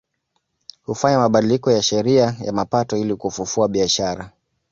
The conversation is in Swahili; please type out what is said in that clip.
Kufanya mabadiliko ya sheria ya mapato ili kufufua biashara